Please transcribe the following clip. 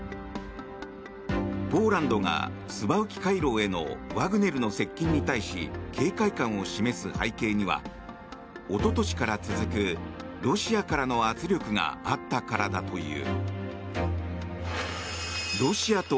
ポーランドがスバウキ回廊へのワグネルの接近に対し警戒感を示す背景にはおととしから続くロシアからの圧力があったからだという。